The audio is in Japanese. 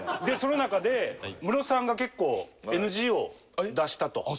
でその中でムロさんが結構ＮＧを出したと。